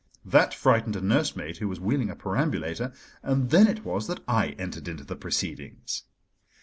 That frightened a nursemaid who was wheeling a perambulator, and then it was that I entered into the proceedings.